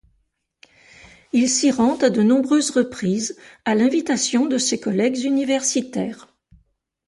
Il s'y rend à de nombreuses reprises à l'invitation de ses collègues universitaires.